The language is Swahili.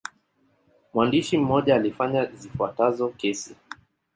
Mwandishi mmoja alifanya zifuatazo kesi.